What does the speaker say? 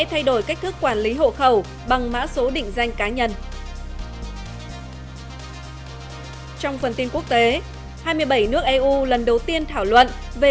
hãy đăng ký kênh để ủng hộ kênh của chúng mình nhé